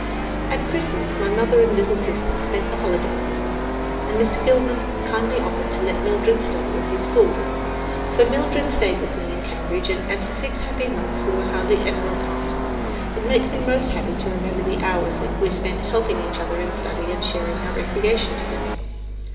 At Christmas, my mother and little sister spent the holidays with me, and Mr. Gilman kindly offered to let Mildred study in his school. So Mildred stayed with me in Cambridge, and for six happy months we were hardly ever apart. It makes me most happy to remember the hours we spent helping each other in study and sharing our recreation together.